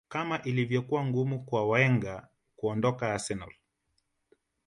kama ilivyokuwa ngumu kwa wenger kuondoka arsenal